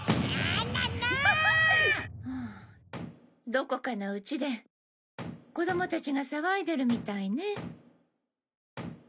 どこかのうちで子供たちが騒いでるみたいね。